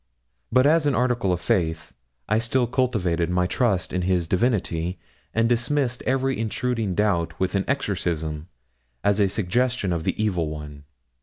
But as an article of faith, I still cultivated my trust in his divinity, and dismissed every intruding doubt with an exorcism, as a suggestion of the evil one.